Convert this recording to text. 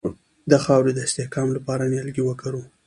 د خاورې د استحکام لپاره نیالګي وکرو.